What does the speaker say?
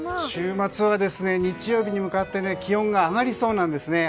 週末は日曜日に向かって気温が上がりそうなんです。